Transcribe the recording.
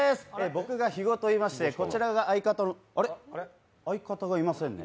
僕が肥後といいましてこちらが相方のあれっ相方がいませんね